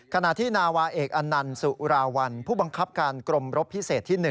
ขณะที่นาวาเอกอันนันต์สุราวัลผู้บังคับการกรมรบพิเศษที่๑